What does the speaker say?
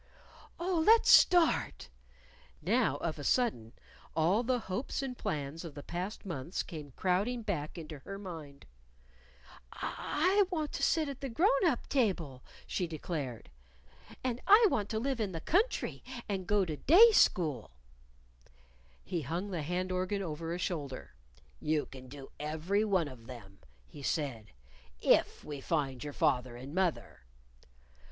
"Oh, let's start." Now, of a sudden, all the hopes and plans of the past months came crowding back into her mind. "I want to sit at the grown up table," she declared. "And I want to live in the country, and go to day school." He hung the hand organ over a shoulder. "You can do every one of them," he said, "if we find your father and mother."